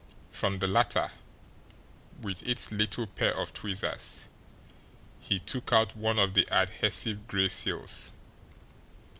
From the latter, with its little pair of tweezers, he took out one of the adhesive gray seals.